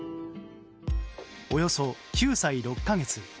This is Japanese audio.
およそ９歳６か月。